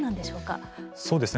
そうですね